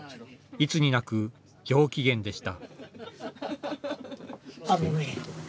いつになく上機嫌でした。